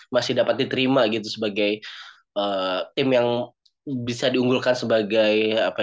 masih dapat diterima sebagai tim yang bisa diunggulkan sebagai